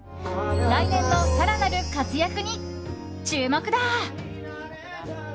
来年の更なる活躍に注目だ。